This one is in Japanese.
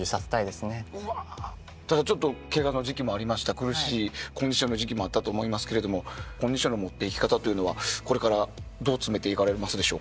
苦しいコンディションの時期もあったと思いますけどコンディションの持っていき方というのはこれからどう詰めていかれますでしょうか？